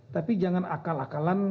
tapi jangan akal akalan